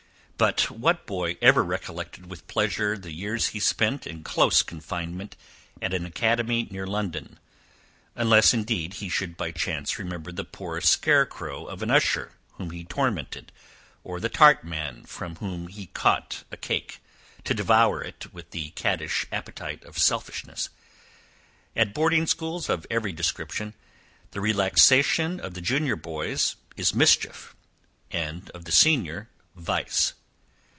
But, what boy ever recollected with pleasure the years he spent in close confinement, at an academy near London? unless indeed he should by chance remember the poor scare crow of an usher whom he tormented; or, the tartman, from whom he caught a cake, to devour it with the cattish appetite of selfishness. At boarding schools of every description, the relaxation of the junior boys is mischief; and of the senior, vice.